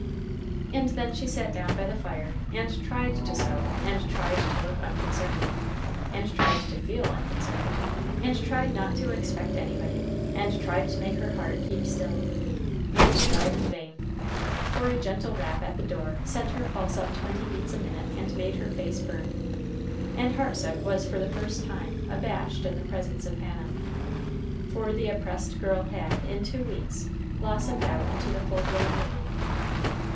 And then she sat down by the fire, and tried to sew, and tried to look unconcerned, and tried to feel unconcerned, and tried not to expect anybody, and tried to make her heart keep still. And tried in vain. For a gentle rap at the door sent her pulse up twenty beats a minute and made her face burn. And Hartsook was for the first time, abashed in the presence of Hannah. For the oppressed girl had, in two weeks, blossomed out into the full blown woman.